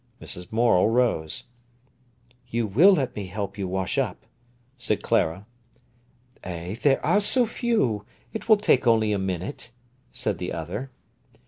Mrs. Morel rose. "You will let me help you wash up," said Clara. "Eh, there are so few, it will only take a minute," said the other.